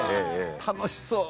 楽しそう。